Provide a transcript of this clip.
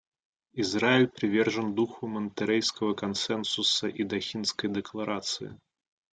Израиль привержен духу Монтеррейского консенсуса и Дохинской декларации.